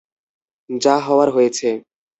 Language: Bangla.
যা হওয়ার হয়েছে।